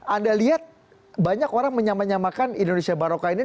anda lihat banyak orang menyamakan indonesia baroka ini